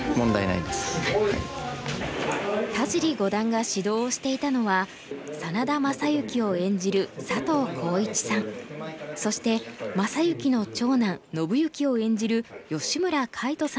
田尻五段が指導をしていたのは真田昌幸を演じる佐藤浩市さんそして昌幸の長男信幸を演じる吉村界人さんとの対局シーン。